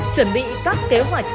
chuẩn bị các kế hoạch